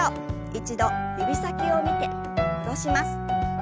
一度指先を見て戻します。